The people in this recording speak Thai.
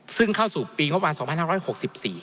ซึ่งเข้าสู่ปีงบประมาณสองพันห้าร้อยหกสิบสี่